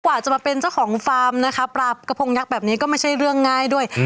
กว่าจะมาเป็นเจ้าของฟาร์มนะคะปลากระพงยักษ์แบบนี้ก็ไม่ใช่เรื่องง่ายด้วย